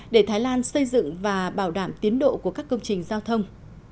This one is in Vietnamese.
để thái lan xây dựng và bảo đảm tiến độ của các công trình giao thông